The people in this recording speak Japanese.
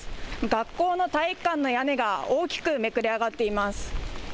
学校の体育館の屋根が大きくめくれ上がっています。